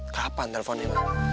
kapan telponnya ma